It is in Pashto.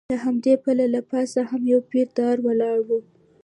د همدې پله له پاسه هم یو پیره دار ولاړ و.